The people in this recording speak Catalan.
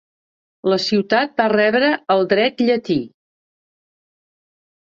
La ciutat va rebre el dret llatí.